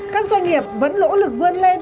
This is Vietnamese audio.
các doanh nghiệp vẫn lỗ lực vươn lên